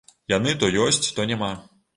Яны то ёсць, то няма.